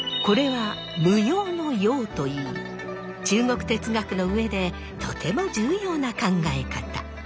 これは「無用の用」といい中国哲学の上でとても重要な考え方。